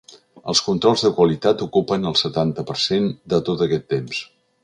Els controls de qualitat ocupen el setanta per cent de tot aquest temps.